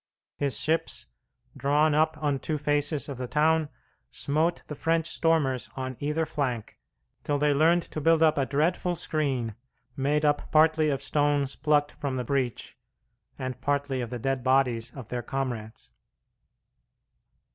His ships, drawn up on two faces of the town, smote the French stormers on either flank till they learned to build up a dreadful screen, made up partly of stones plucked from the breach, and partly of the dead bodies of their comrades.